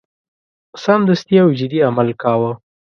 سمدستي او جدي عمل کاوه.